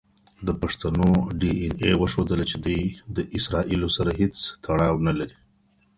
د پښتنو ډی این ای وښودله چی دوی د اسراییلو سره هیڅ تړاو نلری.